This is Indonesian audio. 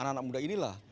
anak anak muda inilah